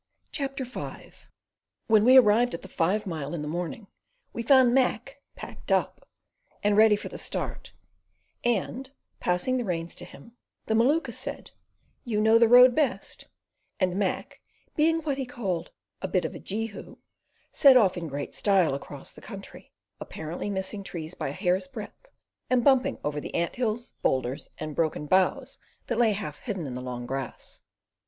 CHAPTER V When we arrived at the five mile in the morning we found Mac "packed up" and ready for the start, and, passing the reins to him, the Maluka said, "You know the road best"; and Mac, being what he called a "bit of a Jehu," we set off in great style across country, apparently missing trees by a hair's breadth, and bumping over the ant hills, boulders, and broken boughs that lay half hidden in the long grass.